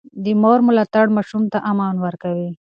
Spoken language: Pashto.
د مور ملاتړ ماشوم ته امن ورکوي.